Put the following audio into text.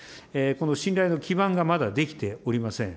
この信頼の基盤がまだ出来ておりません。